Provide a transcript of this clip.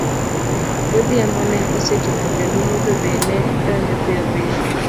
Godhiambo ne osechopo kendo mudho be ne donjo piyopiyo.